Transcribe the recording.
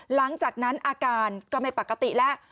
หลังจากนั้นอาการก็ไม่ปกติแล้ว